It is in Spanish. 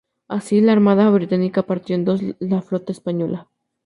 Así, la armada británica partió en dos a la flota española.